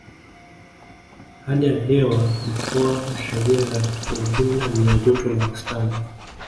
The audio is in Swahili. Hali ya hewa mkoa wa Kagera kwa ujumla ni ya joto la wastani